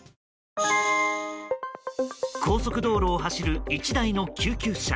高速道路を走る１台の救急車。